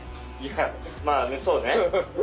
いやまあねそうね。